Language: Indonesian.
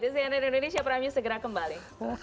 di cnn indonesia prime news segera kembali